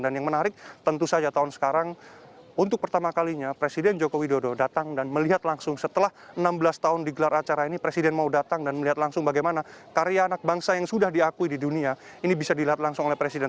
dan yang menarik tentu saja tahun sekarang untuk pertama kalinya presiden joko widodo datang dan melihat langsung setelah enam belas tahun digelar acara ini presiden mau datang dan melihat langsung bagaimana karya anak bangsa yang sudah diakui di dunia ini bisa dilihat langsung oleh presiden